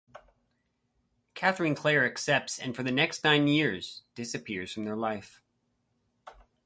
Catherine Claire accepts, and for the next nine years disappears from their life.